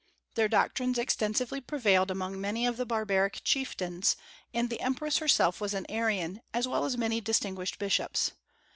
Their doctrines extensively prevailed among many of the barbaric chieftains, and the empress herself was an Arian, as well as many distinguished bishops.